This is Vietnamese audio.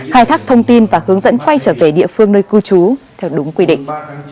khai thác thông tin và hướng dẫn quay trở về địa phương nơi cư trú theo đúng quy định